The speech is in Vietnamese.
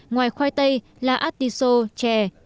ngoài khoai tây lá artichoke chè